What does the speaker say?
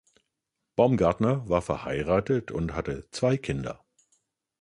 Baumgartner war verheiratet und hatte zwei Kinder.